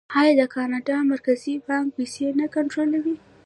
آیا د کاناډا مرکزي بانک پیسې نه کنټرولوي؟